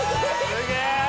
すげえ。